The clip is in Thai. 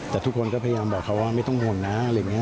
แต่ทุกคนก็พยายามบอกเขาว่าไม่ต้องห่วงนะ